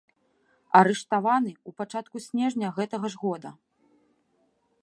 Арыштаваны ў пачатку снежня гэтага ж года.